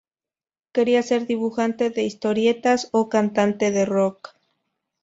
Quería ser dibujante de historietas o cantante de rock.